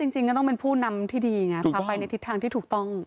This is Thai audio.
จริงก็ต้องเป็นผู้นำที่ดีไงพาไปในทิศทางที่ถูกต้อง